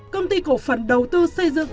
công ty cổ phần đầu tư xây dựng